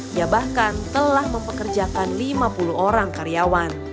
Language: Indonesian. dia bahkan telah mempekerjakan lima puluh orang karyawan